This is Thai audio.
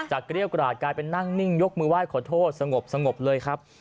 เกรี้ยวกราดกลายเป็นนั่งนิ่งยกมือไหว้ขอโทษสงบเลยครับ